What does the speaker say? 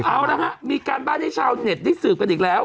เอาละฮะมีการบ้านให้ชาวเน็ตได้สืบกันอีกแล้ว